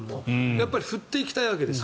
やっぱり振っていきたいわけです